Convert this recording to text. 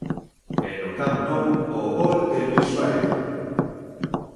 E no Camp Nou o gol de Luís Suárez.